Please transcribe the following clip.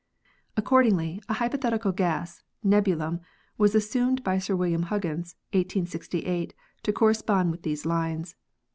Accordingly a hypothetical gas, "nebulum," was assumed by Sir William Huggins (1868) to correspond with these lines.